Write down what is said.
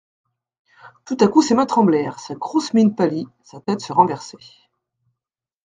Tout à coup ses mains tremblèrent, sa grosse mine pâlit, sa tête se renversait.